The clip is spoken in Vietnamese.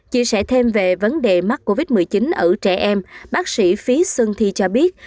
chia sẻ thêm về vấn đề mắc covid một mươi chín ở trẻ em bác sĩ phí sưng thi cho biết